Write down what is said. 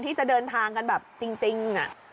ที่จะเดินทางกันแบบจริง